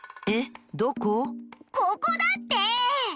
ここだって！